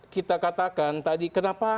kita katakan tadi kenapa